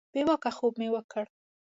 بې واکه خوب مو وکړ.